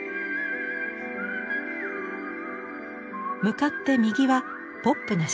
向かって右はポップな色彩。